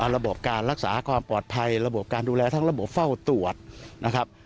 ระบบการรักษาความปลอดภัยระบบการดูแลทั้งระบบเฝ้าตรวจนะครับ